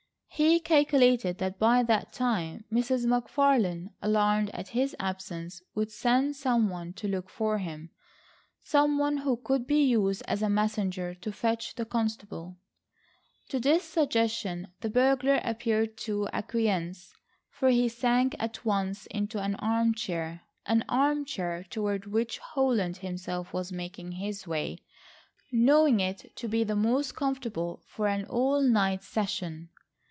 He calculated that by that time, Mrs. McFarlane, alarmed at his absence, would send some one to look for him,—some one who could be used as a messenger to fetch the constable. To this suggestion the burglar appeared to acquiesce, for he sank at once into an armchair—an armchair toward which Holland himself was making his way, knowing it to be the most comfortable for an all night session.